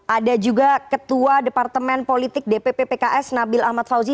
ada juga ketua departemen politik dpp pks nabil ahmad fauzi